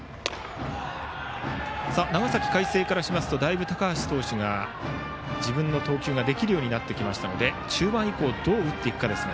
長崎・海星からしますとだいぶ高橋投手が自分の投球ができるようになってきましたので中盤以降どう打っていくかですが。